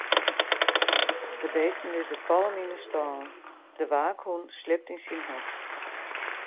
De bisten lizze kalm yn 'e stâlen, de waakhûn sliept yn syn hok.